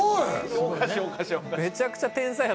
めちゃくちゃ天才肌。